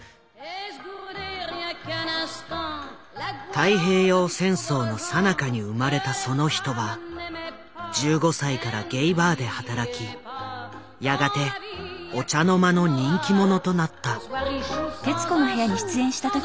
太平洋戦争のさなかに生まれたその人は１５歳からゲイバーで働きやがてお茶の間の人気者となった。